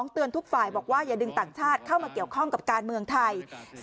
เตือนทุกฝ่ายบอกว่าอย่าดึงต่างชาติเข้ามาเกี่ยวข้องกับการเมืองไทย